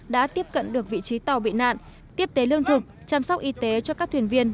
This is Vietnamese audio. đã tiếp cận được vị trí tàu bị nạn tiếp tế lương thực chăm sóc y tế cho các thuyền viên